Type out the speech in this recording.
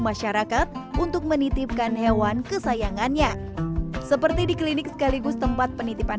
masyarakat untuk menitipkan hewan kesayangannya seperti di klinik sekaligus tempat penitipan